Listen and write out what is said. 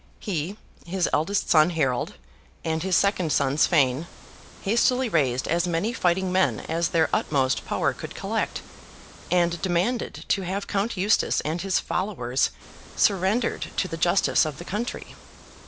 He, his eldest son Harold, and his second son Sweyn, hastily raised as many fighting men as their utmost power could collect, and demanded to have Count Eustace and his followers surrendered to the justice of the country.